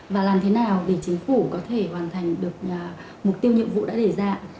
và làm thế nào để chính phủ có thể hoàn thành được mục tiêu nhiệm vụ đã đề ra